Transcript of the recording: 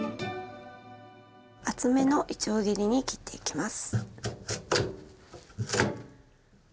厚めのいちょう切りに切っていきます。